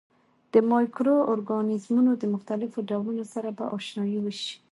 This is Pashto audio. د مایکرو ارګانیزمونو د مختلفو ډولونو سره به آشنايي وشي.